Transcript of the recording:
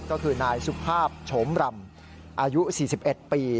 ก็คือนายสุภาพโฉมรำอายุ๔๑ปี